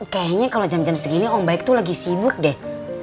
kayaknya kalau jam jam segini om baik tuh lagi sibuk deh